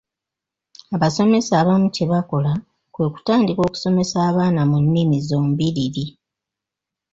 Abasomesa abamu kye bakola kwe kutandika okusomesa abaana mu nnimi zombiriri.